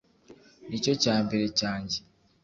Nicyo cya mbere cyanjye